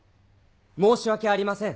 申し訳ありません